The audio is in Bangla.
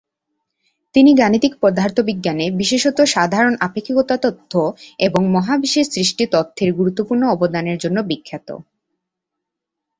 তিনি গাণিতিক পদার্থবিজ্ঞানে, বিশেষত সাধারণ আপেক্ষিকতা তত্ত্ব এবং মহাবিশ্ব-সৃষ্টি তত্ত্বে গুরুত্বপূর্ণ অবদানের জন্যে বিখ্যাত।